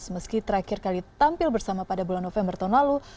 meski terakhir kali tampil bersama pada bulan november tahun lalu